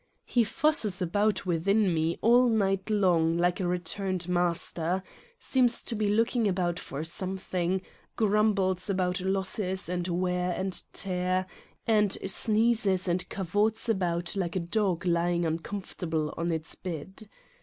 He fusses about within me all night long like a returned master, seems to be looking about for something, grumbles about losses and wear and tear and sneezes and cavorts about like a dog ly ing uncomfortable on its bed.